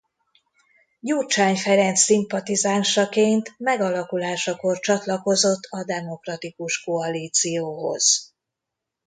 Gyurcsány Ferenc szimpatizánsaként megalakulásakor csatlakozott a Demokratikus Koalícióhoz.